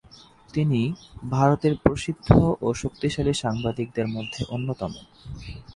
তিনি ভারতের প্রসিদ্ধ ও শক্তিশালী সাংবাদিকদের মধ্যে অন্যতম।